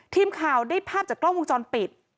ทีมข่าวได้ภาพจากกล้องวงจรปิด